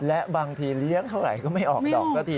และบางทีเลี้ยงเท่าไหร่ก็ไม่ออกดอกซะที